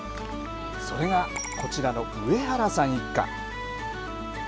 それがこちらの上原さん一家。